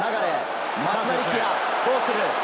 松田力也、どうする？